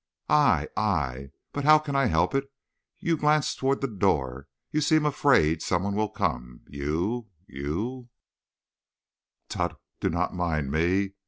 "I! I! But how can I help it! You glance toward the door; you seem afraid some one will come. You you " "Tut! do not mind me!